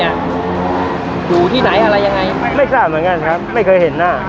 อยู่ที่ไหนอะไรยังไงไม่ทราบเหมือนกันครับไม่เคยเห็นหน้า